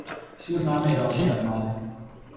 Jsou známy i další armády.